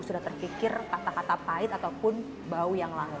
sudah terfikir kata kata pahit ataupun bau yang lalu